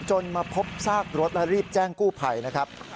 มาพบซากรถและรีบแจ้งกู้ภัยนะครับ